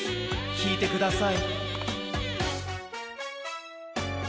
きいてください。